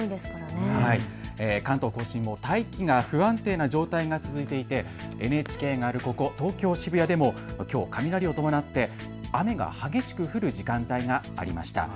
関東甲信も大気が不安定な状態が続いていて、ＮＨＫがあるここ東京渋谷でもきょう雷を伴って雨が激しく降る時間帯がありました。